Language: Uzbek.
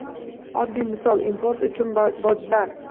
Oddiy misol – import uchun bojlar.